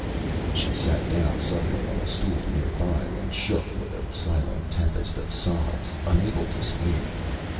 Â She sat down suddenly on a stool near by, and shook with a silent tempest of sobs, unable to speak.